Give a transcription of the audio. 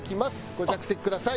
ご着席ください。